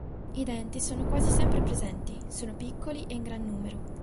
I denti sono quasi sempre presenti, sono piccoli e in gran numero.